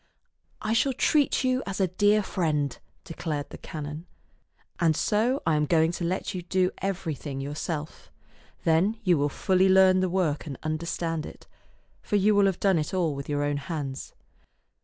" I shall treat you as a dear friend," declared the canon, " and so I am going to let you do everything yourself. Then you will fully learn the work and understand it, for you will have done it all with your own hands."